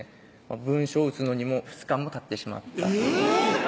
文章打つのにも２日もたってしまったえぇっ！